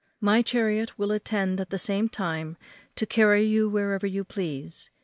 My chariot will attend at the same time to carry you wherever you please.